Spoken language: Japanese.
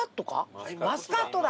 マスカットだ。